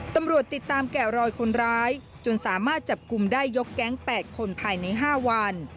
ตำรวจติดตามแกะรอยคนร้ายจนสามารถจับกลุ่มได้ยกแก๊ง๘คนภายใน๕วัน